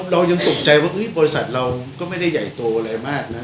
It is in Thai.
เรายังตกใจว่าบริษัทเราก็ไม่ได้ใหญ่โตอะไรมากนะ